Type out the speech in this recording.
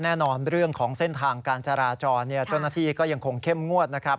แน่นอนเรื่องของเส้นทางการจราจรเจ้าหน้าที่ก็ยังคงเข้มงวดนะครับ